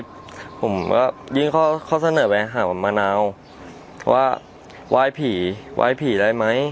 ผมก็ยื่นข้อเสนอไปหามะนาวว่าไหว้ผีไหว้ผีได้ไหม